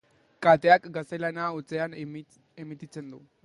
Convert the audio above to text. Kateak gaztelania hutsean emititzen du.